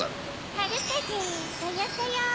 ・はるかぜそよそよ！